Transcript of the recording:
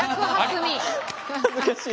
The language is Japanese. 恥ずかしい。